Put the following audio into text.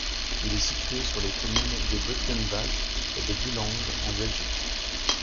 Il est situé sur les communes de Butgenbach et de Bullange en Belgique.